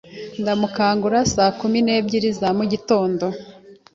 Ndamukangura saa kumi n'ebyiri za mugitondo.